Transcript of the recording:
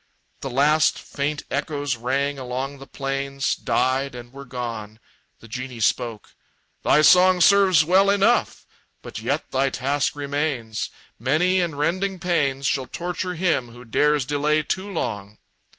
The last faint echoes rang along the plains, Died, and were gone. The genie spoke: "Thy song Serves well enough but yet thy task remains; Many and rending pains Shall torture him who dares delay too long!"